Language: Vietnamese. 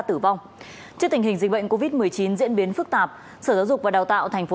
tử vong trước tình hình dịch bệnh covid một mươi chín diễn biến phức tạp sở giáo dục và đào tạo thành phố